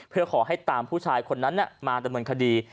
เพื่อขอให้ตามผู้ชายคนนั้นมาดำเนินคดี